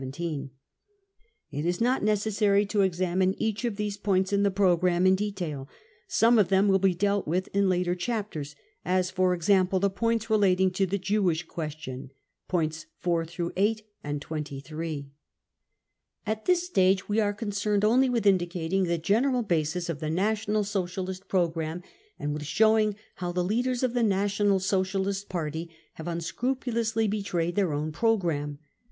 It I is not necessary to examine each of these points in the programme in detail. Some of them will be dealt with in TLater chapters, as for example the points relating to the Jewish question (points 4 S and 23). l6 BROWN BOOK OF THE HITLER TERROR At this stage, we are concerned oniy with indicating the general basis of the National Socialist programme and with * showing how the leaders of the National Socialist Party have unscrupulously betrayed their own programme.